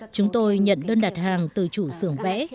chúng tôi nhận đơn đặt hàng từ chủ xưởng vẽ